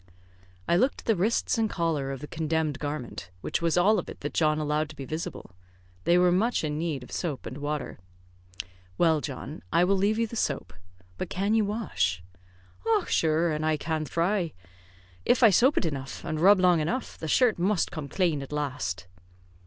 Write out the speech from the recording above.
I looked at the wrists and collar of the condemned garment, which was all of it that John allowed to be visible. They were much in need of soap and water. "Well, John, I will leave you the soap, but can you wash?" "Och, shure, an' I can thry. If I soap it enough, and rub long enough, the shirt must come clane at last."